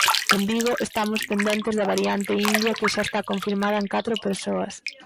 En Vigo, estamos pendentes da variante india que xa está confirmada en catro persoas.